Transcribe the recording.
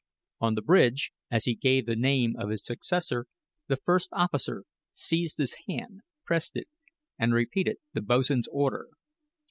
On the bridge, as he gave the name of his successor, the first officer seized his hand, pressed it, and repeated the boatswain's order.